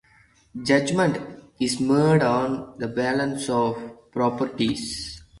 Judgment is made on the balance of probabilities.